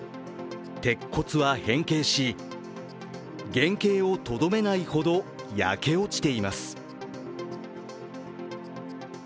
鉄骨は変形し、原形をとどめないほど焼け落ちています。